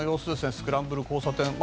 スクランブル交差点。